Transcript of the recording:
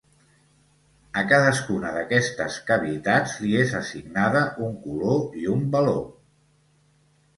A cadascuna d’aquestes cavitats li és assignada un color i un valor.